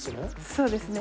そうですね。